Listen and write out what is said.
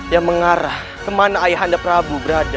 yang mengarah kemana ayah anda prabu berada